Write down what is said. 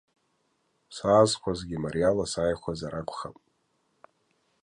Саазхәазгьы мариала сааихәазар акәхап.